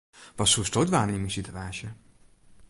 Wat soesto dwaan yn myn situaasje?